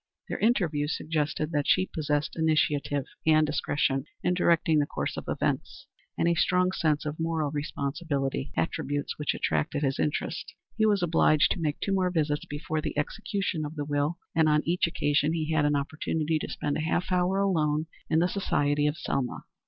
Their interview suggested that she possessed initiative and discretion in directing the course of events, and a strong sense of moral responsibility, attributes which attracted his interest. He was obliged to make two more visits before the execution of the will, and on each occasion he had an opportunity to spend a half hour alone in the society of Selma.